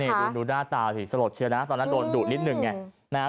นี่ดูหน้าตาสิสลดเชียวนะตอนนั้นโดนดุนิดนึงไงนะฮะ